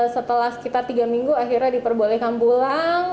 setelah sekitar tiga minggu akhirnya diperbolehkan pulang